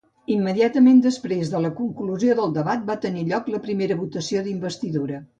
Immediatament després de la conclusió del debat, va tenir lloc la primera votació d'investidura.